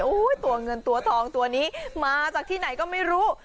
ตัวเงินตัวทองตัวนี้มาจากที่ไหนก็ไม่รู้